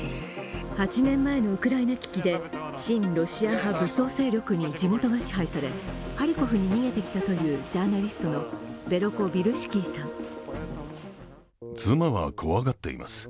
８年前のウクライナ危機で親ロシア派武装勢力に地元が支配され、ハリコフに逃げてきたというジャーナリストのベロコヴィルシキーさん。